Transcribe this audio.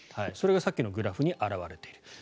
それがさっきのグラフに表れている。